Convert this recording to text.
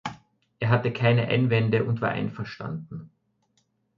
Er hatte keine Einwände und war einverstanden.